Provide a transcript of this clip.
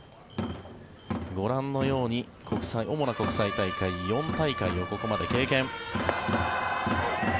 ご覧のように主な国際大会４大会をここまで経験。